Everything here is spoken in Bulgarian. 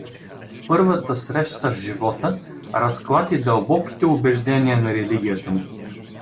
Първата среща с живота разклати дълбоките убеждения на религията му.